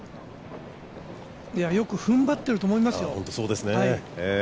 よくふんばっていると思いますよ。